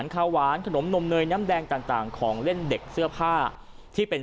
ข้าวหวานขนมนมเนยน้ำแดงต่างของเล่นเด็กเสื้อผ้าที่เป็น